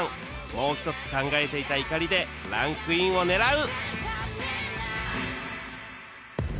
もう一つ考えていた怒りでランクインを狙う！